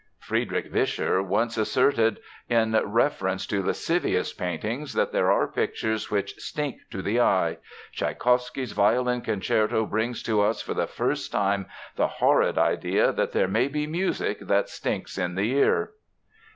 "Friedrich Vischer once asserted in reference to lascivious paintings that there are pictures which 'stink in the eye.' Tschaikowsky's violin concerto brings to us for the first time the horrid idea that there may be music that stinks in the ear."